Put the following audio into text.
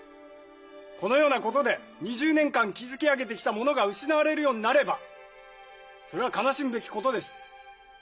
このようなことで２０年間築き上げてきたものが失われるようになればそれは悲しむべきことです。